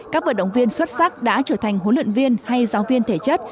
các vận động viên xuất sắc đã trở thành huấn luyện viên hay giáo viên thể chất